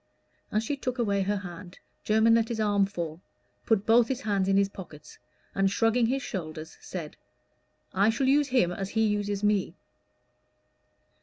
As she took away her hand, Jermyn let his arm fall, put both his hands in his pockets, and shrugging his shoulders said, "I shall use him as he uses me."